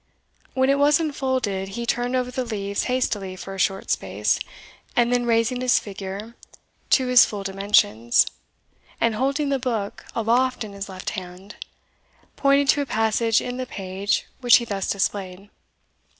When it was unfolded, he turned over the leaves hastily for a short space, and then raising his figure to its full dimensions, and holding the book aloft in his left hand, pointed to a passage in the page which he thus displayed.